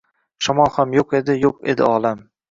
Shamol ham yo‘q edi, yo‘q edi olam